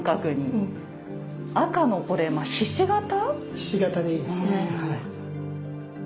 ひし形でいいですねはい。